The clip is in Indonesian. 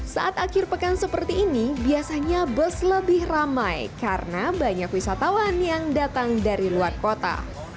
saat akhir pekan seperti ini biasanya bus lebih ramai karena banyak wisatawan yang datang dari luar kota